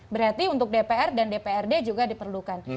berarti untuk dpr dan dprd juga diperlukan